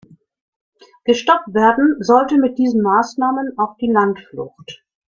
Gestoppt werden sollte mit diesen Maßnahmen auch die Landflucht.